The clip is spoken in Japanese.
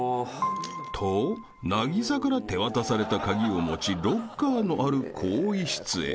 ［と凪咲から手渡された鍵を持ちロッカーのある更衣室へ］